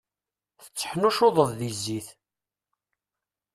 Tetteḥnuccuḍeḍ di zzit.